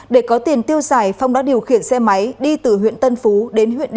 để có tiền tiêu giải phong đã điều khiển xe máy đi từ huyện tân phú đến huyện đồng nai